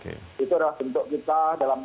itu adalah bentuk kita dalam